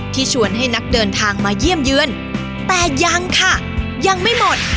ชวนให้นักเดินทางมาเยี่ยมเยือนแต่ยังค่ะยังไม่หมด